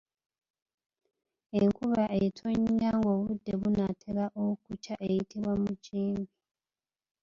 Enkuba etonnya ng’obudde bunaatera okukya eyitibwa mujimbi.